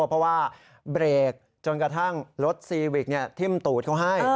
เพราะว่าเบรกจนกระทั่งรถซีวิกทิ้มตูดเขาให้